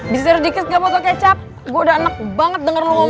bisa serius dikit gak botol kecap gue udah enak banget denger lo ngomong